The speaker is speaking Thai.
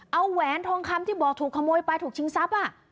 เอาแหวนทองคำที่บอกถูกขโมยไปถูกชิงทรัพย์